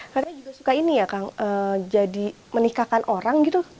katanya juga suka ini ya kang jadi menikahkan orang gitu